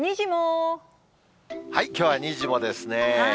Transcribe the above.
きょうはにじモですね。